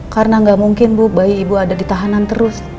karena gak mungkin bu bayi ibu ada di tahanan terus